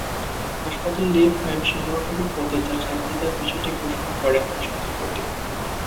হাসপাতালের লিফটম্যান সহকারী পদে তাঁর চাকরি দেওয়ার বিষয়টি ঘোষণা করে হাসপাতাল কর্তৃপক্ষ।